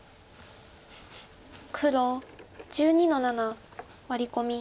黒１２の七ワリ込み。